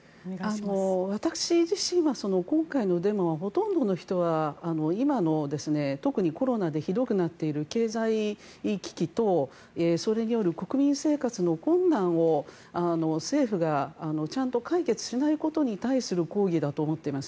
私自身は今回のデモはほとんどの人は今の特にコロナでひどくなっている経済危機とそれによる国民生活の困難を政府がちゃんと解決しないことに対する抗議だと思っています。